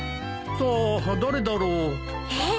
さあ誰だろう？えっ？